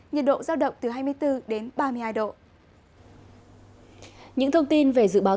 nhiệt độ giao động từ hai mươi bốn đến ba mươi hai độ